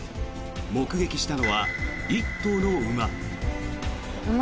目撃したのは１頭の馬。